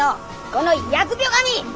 この疫病神！